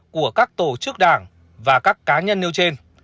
của các tổ chức đảng và các cá nhân nêu trên